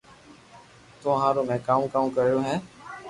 تو ھارو ۾ ڪاو ڪاو ڪريو ھي